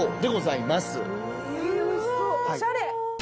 おしゃれ。